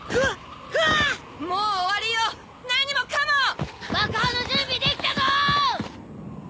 クアもう終わりよ何もかも爆破の準備できたぞーっ！